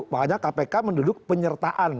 makanya kpk menduduk penyertaan